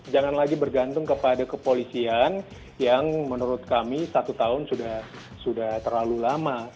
jangan lagi bergantung kepada kepolisian yang menurut kami satu tahun sudah terlalu lama